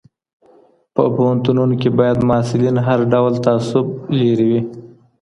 په پوهنتونونو کي باید محصلین له هر ډول تعصب لیري وي.